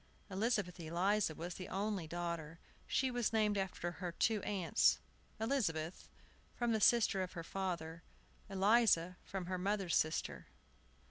Elizabeth Eliza was the only daughter. She was named after her two aunts, Elizabeth, from the sister of her father; Eliza, from her mother's sister.